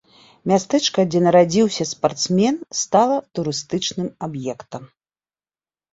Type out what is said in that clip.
Мястэчка, дзе нарадзіўся спартсмен, стала турыстычным аб'ектам.